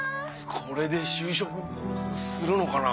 これで就職するのかな？